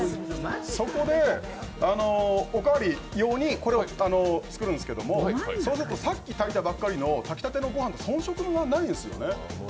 そこで、おかわり用にこれを作るんですけど、そうするとさっき炊いたばっかりの炊きたてのごはんと遜色がないんですね。